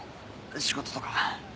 仕事とか。